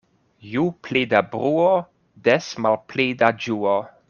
Ju pli da bruo, des malpli da ĝuo.